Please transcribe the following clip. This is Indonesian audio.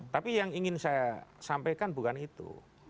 tapi yang ingin saya sampaikan bukan itu